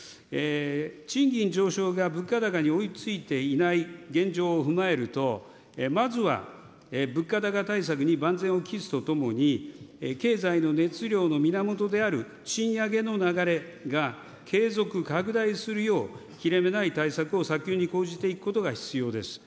賃金上昇が物価高に追いついていない現状を踏まえると、まずは物価高対策に万全を期すとともに、経済の熱量の源である賃上げの流れが継続拡大するよう、切れ目ない対策を早急に講じていくことが必要です。